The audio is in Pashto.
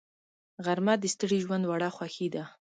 غرمه د ستړي ژوند وړه خوښي ده